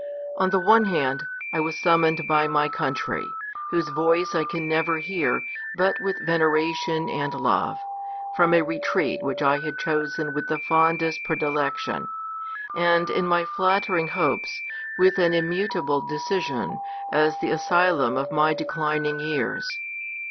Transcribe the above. On the one hand, I was summoned by my country, whose voice I can never hear but with vene ration and love, from a retreat which I had chosen with the fondest predilection, and, in my flattering hopes, with an immutable decision, as the asylum of my declining years.